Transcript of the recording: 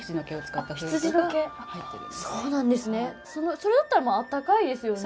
それだったらあったかいですよね。